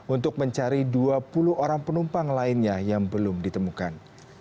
untuk mencari dua puluh orang penumpang lainnya yang belum ditemukan